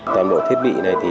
tạm biệt thiết bị này thì